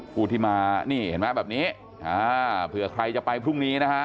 ผู้ที่มานี่เห็นไหมแบบนี้เผื่อใครจะไปพรุ่งนี้นะฮะ